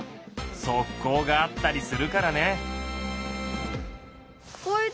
側溝があったりするからね。